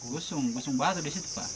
gosong gosong batu di situ pak